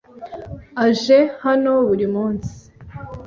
aje hano buri munsi.